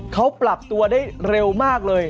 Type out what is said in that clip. เขาปรับตัวได้เร็วมากเลย